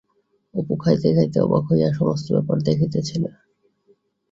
অপু খাইতে খাইতে অবাক হইয়া সমস্ত ব্যাপার দেখিতেছিল।